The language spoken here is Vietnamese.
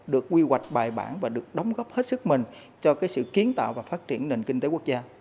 được quy hoạch bài bản và được đóng góp hết sức mình cho sự kiến tạo và phát triển nền kinh tế quốc gia